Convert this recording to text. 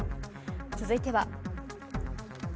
続いては。